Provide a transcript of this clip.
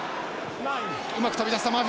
うまく飛び出したマフィ。